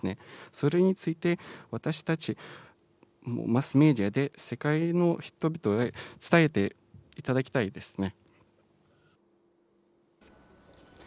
それについて、私たちマスメディアで、世界の人々へ伝えていただきたいですね。